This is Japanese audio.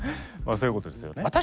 まあそういうことですよね。